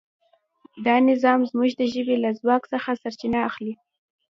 دا نظام زموږ د ژبې له ځواک څخه سرچینه اخلي.